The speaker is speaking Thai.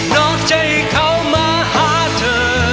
นอกใจเขามาหาเธอ